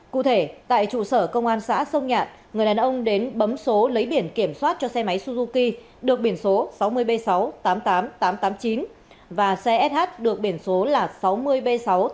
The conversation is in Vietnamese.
cụ thể tại trụ sở công an xã sông nhạn người đàn ông đến bấm số lấy biển kiểm soát cho xe máy suzuki được biển số sáu mươi b sáu trăm tám mươi tám nghìn tám trăm tám mươi chín và xe sh được biển số là sáu mươi b sáu trăm tám mươi tám nghìn tám trăm tám mươi sáu